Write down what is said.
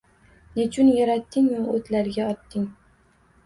Nechun yaratding-u o’tlarga otding?